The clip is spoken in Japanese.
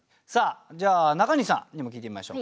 じゃあ中西さんにも聞いてみましょうかね。